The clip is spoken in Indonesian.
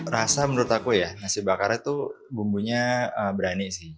rasa menurut aku ya nasi bakarnya tuh bumbunya berani sih